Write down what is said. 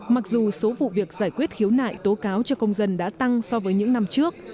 mặc dù số vụ việc giải quyết khiếu nại tố cáo cho công dân đã tăng so với những năm trước